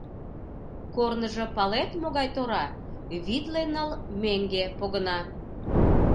Корныжо, палет, могай тора: витле ныл меҥге погына.